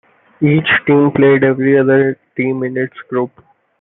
Each team played every other team in its group.